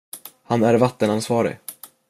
Han är vattenansvarig.